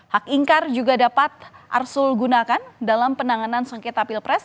hak ingkar juga dapat arsul gunakan dalam penanganan sengketa pilpres